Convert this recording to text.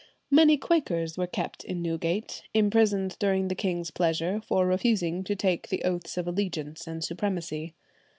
Many Quakers were kept in Newgate, imprisoned during the king's pleasure for refusing to take the oaths of allegiance and supremacy.